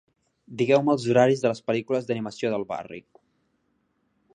Digueu-me els horaris de les pel·lícules d'animació del barri.